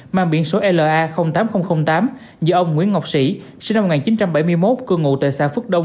mang biển số la tám nghìn tám do ông nguyễn ngọc sĩ sinh năm một nghìn chín trăm bảy mươi một cư ngụ tại xã phước đông